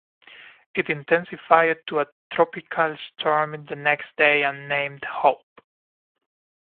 It intensified to a tropical storm in the next day and named Hope.